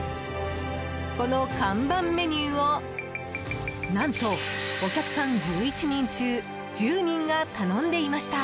この看板メニューを何とお客さん１１人中１０人が頼んでいました。